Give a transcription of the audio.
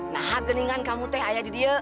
nah geningan kamu teh ayah didiak